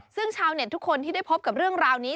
ซึ่งชาวเน็ตทุกคนที่ได้พบกับเรื่องราวนี้